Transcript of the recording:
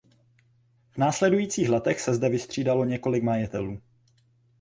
V následujících letech se zde vystřídalo několik majitelů.